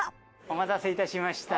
お待たせ致しました。